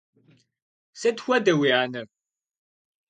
Сыт хуэдэ уи анэр?